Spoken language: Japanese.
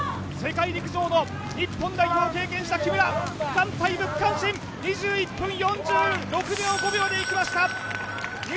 世界陸上の日本代表経験者、木村、区間タイム区間新、２１分４４秒でいきました。